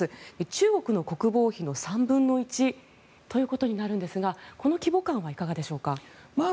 中国の国防費の３分の１となるんですがこの規模感はいかがでしょうか。